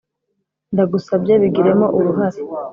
Ndagusabye bigiremo uruhari